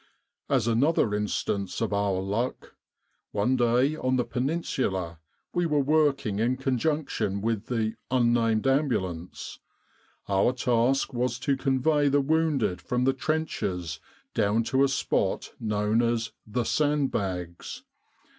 "As another instance of our luck : one day, on the Peninsula, we were working in conjunction with the Ambulance. Our task was to convey the wounded from the trenches down to a spot known as 4 The Sandbags.'